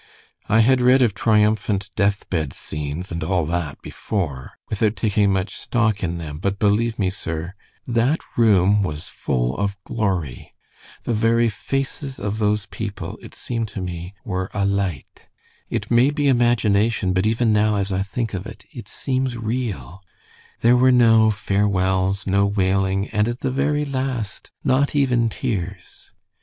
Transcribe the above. "I had read of triumphant death bed scenes, and all that before, without taking much stock in them, but believe me, sir, that room was full of glory. The very faces of those people, it seemed to me, were alight. It may be imagination, but even now, as I think of it, it seems real. There were no farewells, no wailing, and at the very last, not even tears.